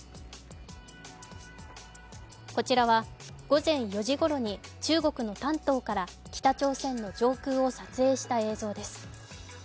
こちらは午前４時ごろに中国の丹東から北朝鮮の上空を撮影した映像です。